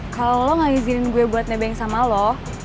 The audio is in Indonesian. kalau lo gak izinin gue buat nebeng sama lo